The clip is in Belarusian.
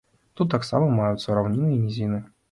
Тут таксама маюцца раўніны і нізіны.